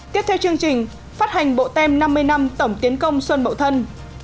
tiếp theo chương trình phát hành bộ tem năm mươi năm tổng tiến công xuân bậu thân